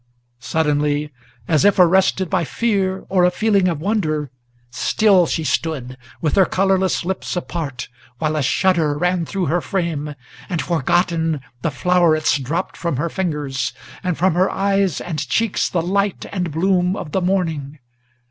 Suddenly, as if arrested by fear or a feeling of wonder, Still she stood, with her colorless lips apart, while a shudder Ran through her frame, and, forgotten, the flowerets dropped from her fingers, And from her eyes and cheeks the light and bloom of the morning.